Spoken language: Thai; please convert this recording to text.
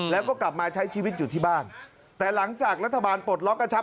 แล้วก็กลับมาใช้ชีวิตอยู่ที่บ้านแต่หลังจากรัฐบาลปลดล็อกกระชับ